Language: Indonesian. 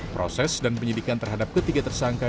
proses dan penyidikan terhadap ketiga tersangka